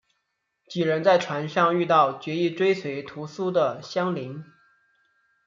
几人在船上遇到决意追随屠苏的襄铃。